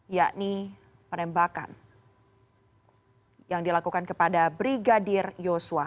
ya ini penembakan yang dilakukan kepada brigadier joshua